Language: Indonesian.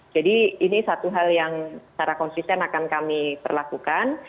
jadi ini satu hal yang secara konsisten akan kami terlakukan